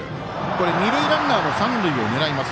二塁ランナーも三塁を狙います。